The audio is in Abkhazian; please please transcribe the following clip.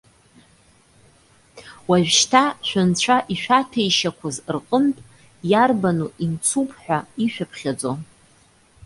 Уажәшьҭа, шәынцәа ишәаҭәеишьақәаз рҟынтә иарбану имцуп ҳәа ишәыԥхьаӡо?